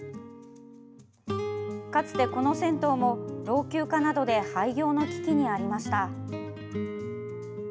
かつて、この銭湯も老朽化などで廃業の危機にありました。